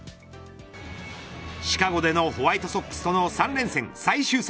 シカゴでのホワイトソックスとの３連戦最終戦